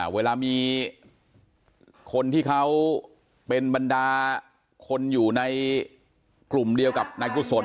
เวลามีคนที่เขาเป็นบรรดาคนอยู่ในกลุ่มเดียวกับนายกุศล